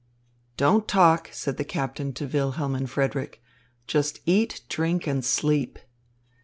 "Don't talk," said the captain to Wilhelm and Frederick. "Just eat, drink, and sleep."